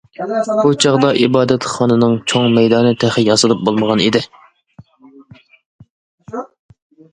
بۇ چاغدا، ئىبادەتخانىنىڭ چوڭ مەيدانى تېخى ياسىلىپ بولمىغان ئىدى.